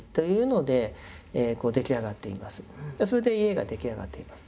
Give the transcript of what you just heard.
それで家が出来上がっています。